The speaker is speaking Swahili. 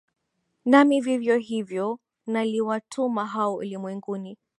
nami vivyo hivyo naliwatuma hao ulimwenguni